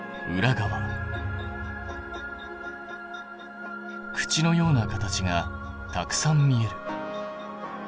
口のような形がたくさん見える。